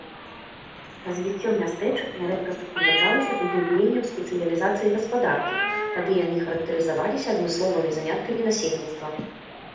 Развіццё мястэчак нярэдка суправаджалася паглыбленнем спецыялізацыі гаспадаркі, тады яны характарызаваліся адмысловымі заняткамі насельніцтва.